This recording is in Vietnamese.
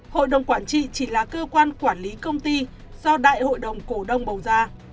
hội đồng quản trị chỉ là cơ quan quản lý công ty do đại hội đồng cổ đông bầu ra